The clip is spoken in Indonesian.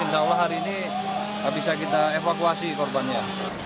insya allah hari ini bisa kita evakuasi korbannya